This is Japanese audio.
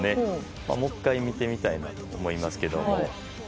もう１回見てみたいと思いますが。